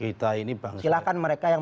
kita ini bang silahkan mereka yang